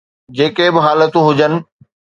جيڪي به حالتون هجن.